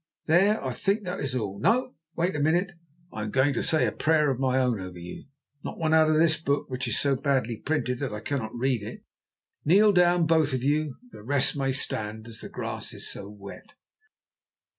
There, I think that is all. No, wait a minute, I am going to say a prayer of my own over you, not one out of this book, which is so badly printed that I cannot read it. Kneel down, both of you; the rest may stand, as the grass is so wet."